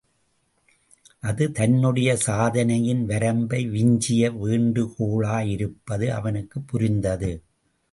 அது தன்னுடைய சாதனையின் வரம்பை விஞ்சிய வேண்டுகோளாயிருப்பது அவனுக்குப் புரிந்தது.